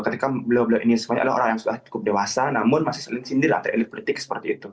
ketika beliau beliau ini semuanya adalah orang yang sudah cukup dewasa namun masih sindiri atau elit politik seperti itu